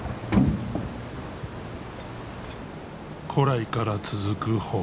古来から続く捕鯨。